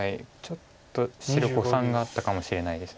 ちょっと白誤算があったかもしれないです